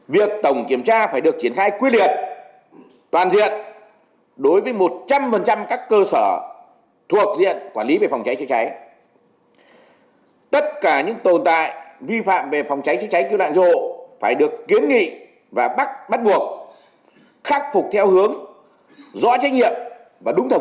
việc tổng kiểm tra phải được triển khai quy liệt toàn diện đối với một trăm linh các cơ sở thuộc diện quản lý về phòng cháy chữa cháy